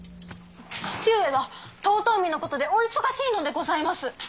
父上は遠江のことでお忙しいのでございます！